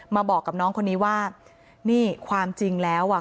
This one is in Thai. มาบอกกับน้องคนนี้ว่านี่ความจริงแล้วอ่ะ